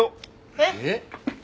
えっ？